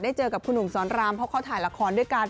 เจอกับคุณหนุ่มสอนรามเพราะเขาถ่ายละครด้วยกัน